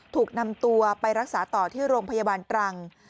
ถูกนำตัวไปรักษาต่อที่โรงพยาบาลตรัง